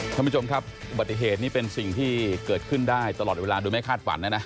ท่านผู้ชมครับอุบัติเหตุนี้เป็นสิ่งที่เกิดขึ้นได้ตลอดเวลาโดยไม่คาดฝันนะนะ